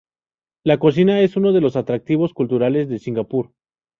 La cocina es uno de los atractivos culturales de Singapur.